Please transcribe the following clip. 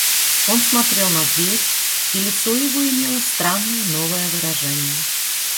Он смотрел на дверь, и лицо его имело странное новое выражение.